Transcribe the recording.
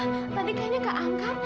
ma tadi kayaknya gak angkat